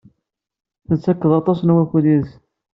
Tettekked aṭas n wakud yid-s.